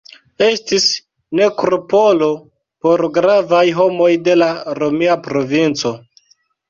Estis nekropolo por gravaj homoj de la romia provinco.